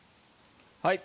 はい。